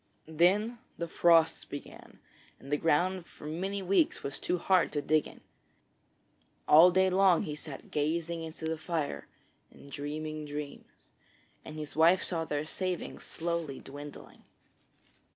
Then the frosts began and the ground for many weeks was too hard to dig. All day long he sat gazing into the fire and dreaming dreams, and his wife saw their savings slowly dwindling.